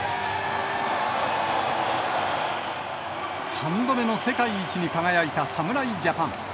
３度目の世界一に輝いた侍ジャパン。